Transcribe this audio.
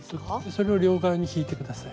それを両側に引いて下さい。